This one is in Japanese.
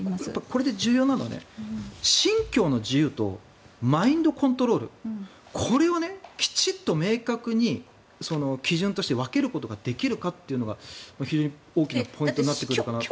これで重要なのは信教の自由とマインドコントロールこれをきちっと明確に基準として分けることができるかというのが非常に大きなポイントになってくるかなと。